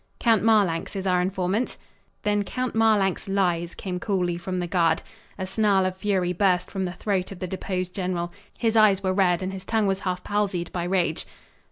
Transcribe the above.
"Count Marlanx is our informant." "Then Count Marlanx lies," came coolly from the guard. A snarl of fury burst from the throat of the deposed general. His eyes were red and his tongue was half palsied by rage.